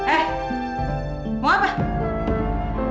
eh mau apa